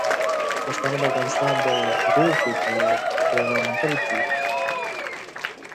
پښتانه د افغانستان د سولې پیغامبر دي.